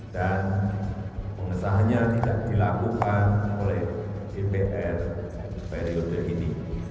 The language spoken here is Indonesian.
dan pengesahannya tidak dilakukan oleh dpr periode ini